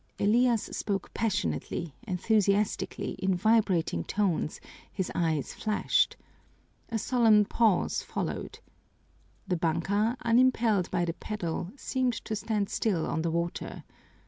Elias spoke passionately, enthusiastically, in vibrating tones; his eyes flashed. A solemn pause followed. The banka, unimpelled by the paddle, seemed to stand still on the water.